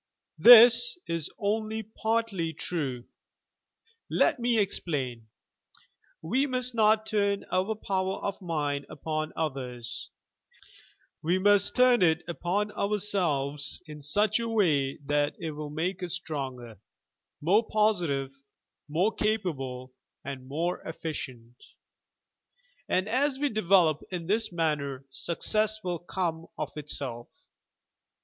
This is 70 YOUR PSYCHIC POWERS only partly true. Let me explain. We must not tiini our power of mind upon others, we must turn it upon ourselves in such a way that it will make us stronger, more positive, more capable and more efficient; and as we develop in this manner success will come of itself.